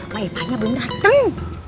ma'etanya belum dateng